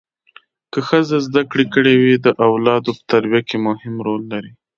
که ښځه زده کړې کړي وي اولادو په تربیه کې مهم رول لوبوي